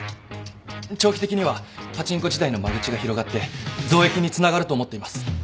長期的にはパチンコ自体の間口が広がって増益につながると思っています。